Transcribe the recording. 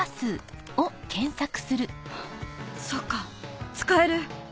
そっか使える！